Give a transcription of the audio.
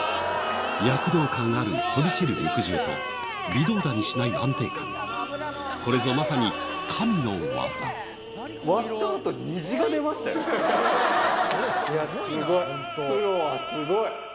躍動感ある飛び散る肉汁と微動だにしない安定感これぞまさにいやスゴい！